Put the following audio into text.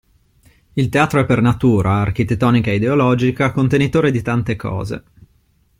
Il teatro è per natura, architettonica e ideologica, contenitore di tante cose.